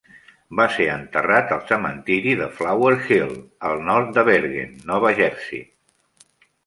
Va ser enterrat al cementiri de Flower Hill, al nord de Bergen, Nova Jersey.